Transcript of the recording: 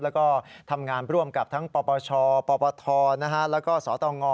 แล้วก็ทำงานร่วมกับทั้งปปชปปทแล้วก็สตง